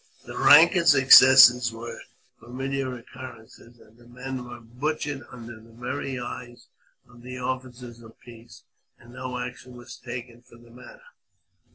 The rankest excesses were familiar occurrences, and men were butchered under the very eyes of the officers of justice, and no action was taken in the matter.